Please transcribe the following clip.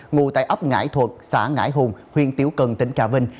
ngụ tại ấp ngãi thuật xã ngãi hùng huyên tiếu cần tỉnh trà vinh